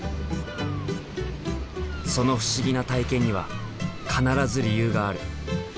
その不思議な体験には必ず理由がある。